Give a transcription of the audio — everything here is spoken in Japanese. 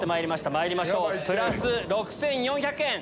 まいりましょうプラス６４００円。